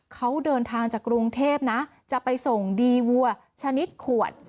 เขาเดินทางจากกรุงเทพนะจะไปส่งดีวัวชนิดขวด